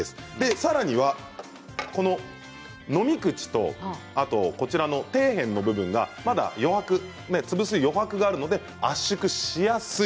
さらには飲み口と底辺部分がまだ潰す余白があるので圧縮しやすい。